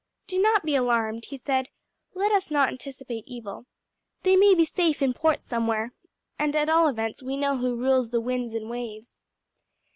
"Do not be alarmed," he said; "let us not anticipate evil. They may be safe in port somewhere; and at all events we know who rules the winds and waves."